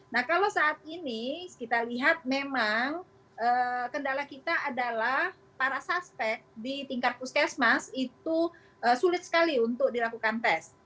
nah kalau saat ini kita lihat memang kendala kita adalah para suspek di tingkat puskesmas itu sulit sekali untuk dilakukan tes